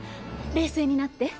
冷静になって。